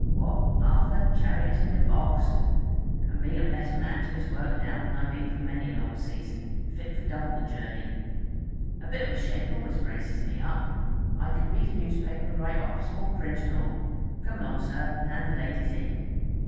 'What! Arthur! chariotin' a box! And me a better man to his work now than I been for many a long season, fit for double the journey! A bit of a shake always braces me up. I could read a newspaper right off, small print and all. Come along, sir, and hand the ladies in.'